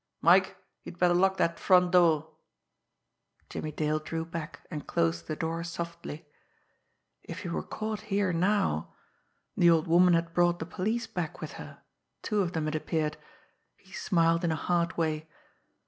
Mike, you'd better lock that front door!" Jimmie Dale drew back, and closed the door softly. If he were caught here now! The old woman had brought the police back with her two of them, it appeared. He smiled in a hard way.